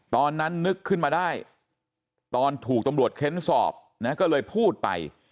ตอนนั้นนึกขึ้นมาได้ตอนถูกตำรวจเค้นสอบนะก็เลยพูดไป